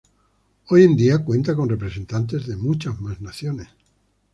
Hoy en día cuenta con representantes de muchas más naciones.